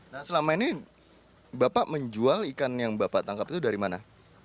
nah selama ini bapak menjual ikan yang bapak tangkap itu dari mana